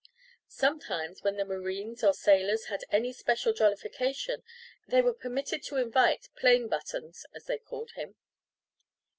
Sometimes, when the marines or sailors had any special jollification, they were permitted to invite "Plain Buttons," as they called him.